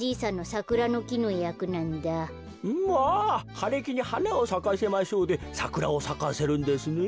「かれきにはなをさかせましょう」でサクラをさかせるんですね。